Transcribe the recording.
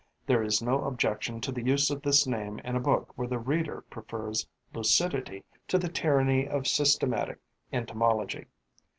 There is no objection to the use of this name in a book where the reader prefers lucidity to the tyranny of systematic entomology.